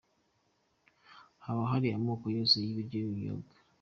Haba hari amoko yose y'ibiryo n'ibinyobwa.